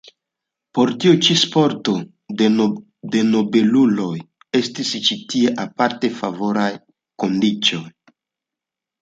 Por tiu ĉi sporto de nobeluloj estis ĉi tie aparte favoraj kondiĉoj.